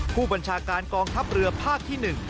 ผู้บัญชาการกองทัพเรือภาคที่๑